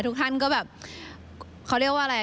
ทุกท่านก็แบบเขาเรียกว่าอะไร